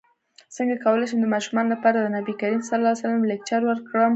څنګه کولی شم د ماشومانو لپاره د نبي کریم ص لیکچر ورکړم